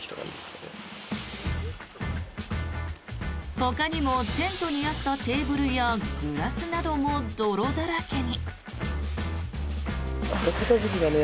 ほかにもテントにあったテーブルやグラスなども泥だらけに。